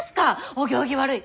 お行儀悪い。